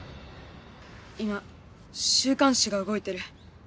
今週刊誌が動いてる。